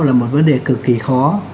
là một vấn đề cực kỳ khó